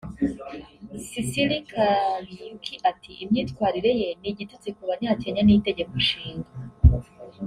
Sicily Kariuki ati “Imyitwarire ye ni igitutsi ku Banyakenya n’Itegeko Nshinga